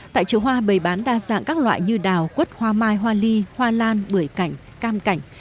tại chợ hoa bày bán đa dạng các loại như đào quất hoa mai hoa ly hoa lan bưởi cảnh cam cảnh